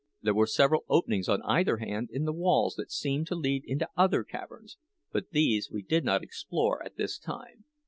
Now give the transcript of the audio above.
There were several openings on either hand in the walls that seemed to lead into other caverns, but these we did not explore at this time.